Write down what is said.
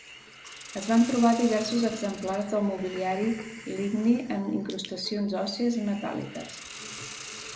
Es van trobar diversos exemplars de mobiliari ligni amb incrustacions òssies i metàl·liques.